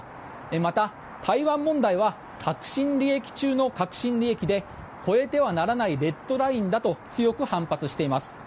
また、台湾問題は核心利益中の核心利益で越えてはならないレッドラインだと強く反発しています。